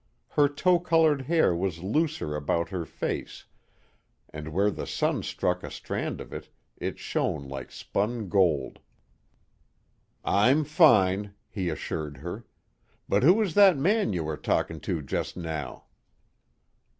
Her tow colored hair was looser about her face, and where the sun struck a strand of it, it shone like spun gold. "I'm fine," he assured her. "But who was that man you were talking to just now?"